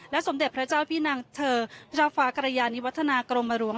สมเด็จพระเจ้าพี่นางเธอพระเจ้าฟ้ากรยานิวัฒนากรมหลวง